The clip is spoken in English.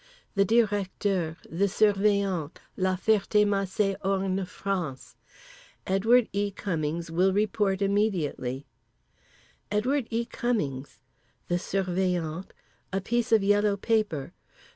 The Directeur. The Surveillant. La Ferté Macé, Orne, France. "Edward E. Cummings will report immediately." Edward E. Cummings. The Surveillant. A piece of yellow paper.